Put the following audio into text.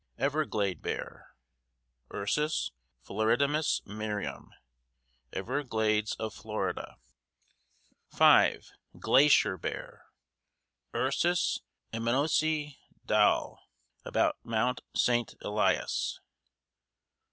EVERGLADE BEAR: Ursus floridanus Merriam. Everglades of Florida. 5. GLACIER BEAR: Ursus emmonsi Dall. About Mount St. Elias.